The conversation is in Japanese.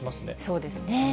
そうですね。